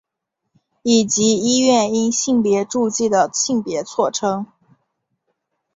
以及医院因性别注记的性别错称。